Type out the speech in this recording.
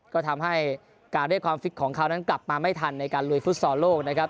ก็ทำให้การเรียกความฟิตของเขานั้นกลับมาไม่ทันในการลุยฟุตซอลโลกนะครับ